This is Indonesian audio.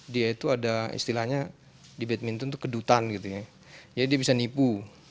dia itu ada istilahnya di badminton itu kedutan gitu ya jadi dia bisa nipu